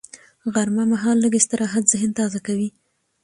غرمه مهال لږ استراحت ذهن تازه کوي